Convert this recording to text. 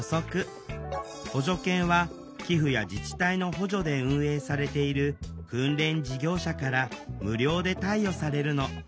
補助犬は寄付や自治体の補助で運営されている訓練事業者から無料で貸与されるの。